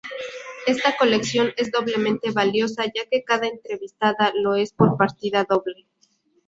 Esta colección es doblemente valiosa ya que cada entrevistada lo es por partida doble.